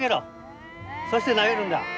そして投げるんだ。